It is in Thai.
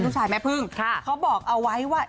ชุดสายแม่ผึ้งเค้าบอกเอาไว้ว่า